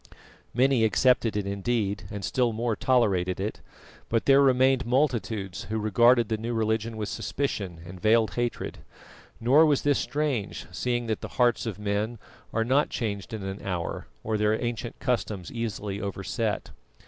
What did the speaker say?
Many accepted it indeed, and still more tolerated it; but there remained multitudes who regarded the new religion with suspicion and veiled hatred. Nor was this strange, seeing that the hearts of men are not changed in an hour or their ancient customs easily overset.